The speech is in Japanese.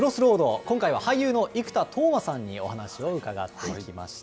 今回は俳優の生田斗真さんにお話を伺ってきました。